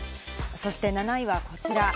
そして７位はこちら。